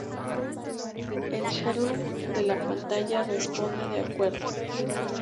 El Sherlock de la pantalla responde "De acuerdo".